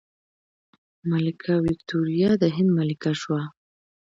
ملکه ویکتوریا د هند ملکه شوه.